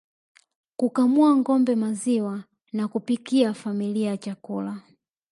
Kukamua ngombe maziwa na kupikia familia chakula